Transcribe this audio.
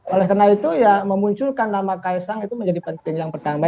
oleh karena itu ya memunculkan nama kaisang itu menjadi penting yang pertama